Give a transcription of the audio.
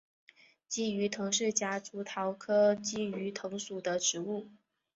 鲫鱼藤是夹竹桃科鲫鱼藤属的植物。